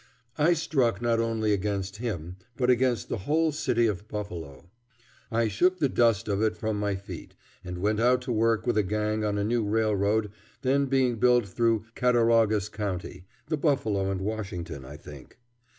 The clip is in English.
I struck not only against him, but against the whole city of Buffalo. I shook the dust of it from my feet and went out to work with a gang on a new railroad then being built through Cattaraugus County the Buffalo and Washington, I think.